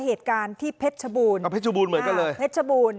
เหตุการณ์ที่เพชรชบูรณ์เอาเพชรบูรณ์เหมือนกันเลยเพชรบูรณ